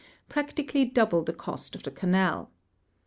])ractieally double the cost of the canal.